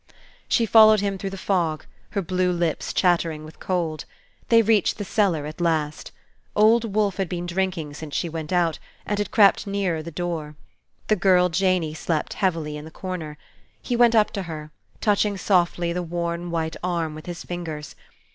She followed him through the fog, her blue lips chattering with cold. They reached the cellar at last. Old Wolfe had been drinking since she went out, and had crept nearer the door. The girl Janey slept heavily in the corner. He went up to her, touching softly the worn white arm with his fingers.